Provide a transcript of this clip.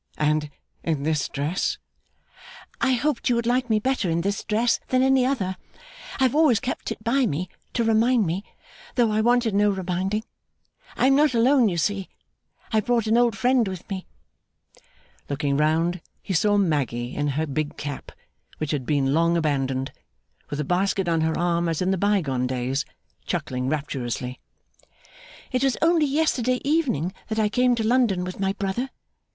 And in this dress?' 'I hoped you would like me better in this dress than any other. I have always kept it by me, to remind me: though I wanted no reminding. I am not alone, you see. I have brought an old friend with me.' Looking round, he saw Maggy in her big cap which had been long abandoned, with a basket on her arm as in the bygone days, chuckling rapturously. 'It was only yesterday evening that I came to London with my brother.